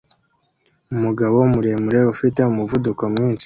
Umugabo muremure ufite umuvuduko mwinshi